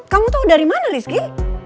kamu tahu dari mana rizky